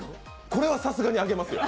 これはさすがにあげますよ。